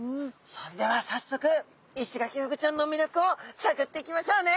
それではさっそくイシガキフグちゃんのみりょくをさぐっていきましょうね。